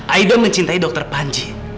aida mencintai dokter panji